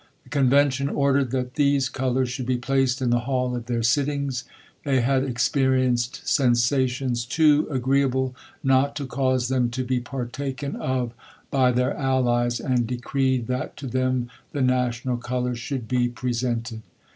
The Convention ordered that these colours should be placed in the hall of their sittrngs. They had experienced sensations too agreeable not to cause them to be partaken of by their allies, and de creed that to them the national colours should be pre sented.